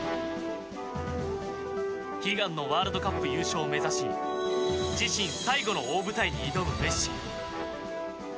悲願のワールドカップ優勝を目指し自身最後の大舞台に挑むメッシ。